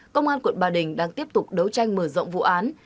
công an quận bà đình đang tiếp tục đấu tranh mở rộng vụ án